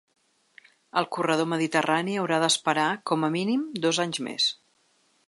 El corredor mediterrani haurà d’esperar, com a mínim, dos anys més.